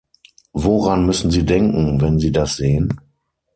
Woran müssen Sie denken, wenn Sie das sehen?